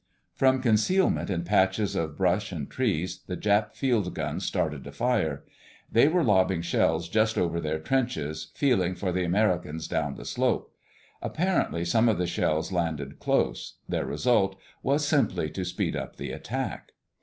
From concealment in patches of brush and trees the Jap field guns started to fire. They were lobbing shells just over their trenches, feeling for the Americans down the slope. Apparently some of the shells landed close. Their result was simply to speed up the attack.